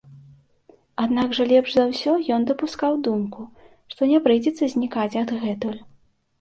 Аднак жа лепш за ўсё ён дапускаў думку, што не прыйдзецца знікаць адгэтуль.